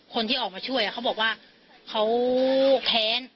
คนที่ออกมาช่วยเขาบอกว่าเขาแค้น